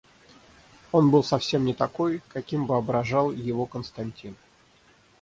Он был совсем не такой, каким воображал его Константин.